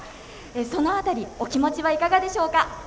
その辺り、お気持ちはいかがですか？